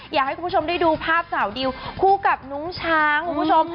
อยากให้คุณผู้ชมได้ดูภาพสาวดิวคู่กับน้องช้างคุณผู้ชม